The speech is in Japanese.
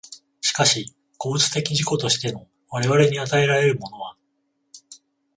しかし個物的自己としての我々に与えられるものは、